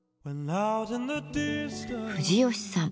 藤吉さん